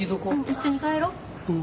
一緒に帰ろう。